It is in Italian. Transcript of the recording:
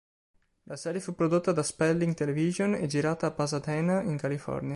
La serie fu prodotta da Spelling Television e girata a Pasadena in California.